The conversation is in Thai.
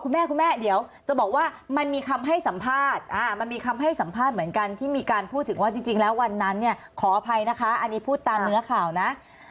คุณแม่คุณแม่เดี๋ยวจะบอกว่ามันมีคำให้สัมภาษณ์มันมีคำให้สัมภาษณ์เหมือนกันที่มีการพูดถึงว่าจริงแล้ววันนั้นเนี่ยขออภัยนะคะอันนี้พูดตามเนื้อข่าวนะ